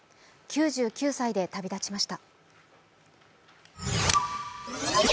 ９９歳で旅立ちました。